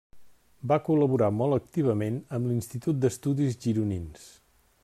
Va col·laborar molt activament amb l'Institut d'Estudis Gironins.